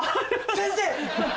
先生